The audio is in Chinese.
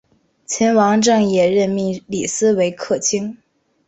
秦王政也任命李斯为客卿。